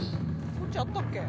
そっちあったっけ？